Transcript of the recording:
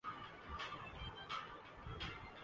جماعت اسلامی پانچ سال سے تحریک انصاف کے ساتھ ہے۔